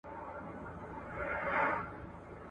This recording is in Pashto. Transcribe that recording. چي مي خولې ته د قاتل وم رسېدلی !.